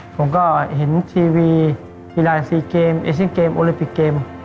ผมก็เห็นทีวีกีฬาซีเกมเอเชียนเกมโอลิปิกเกม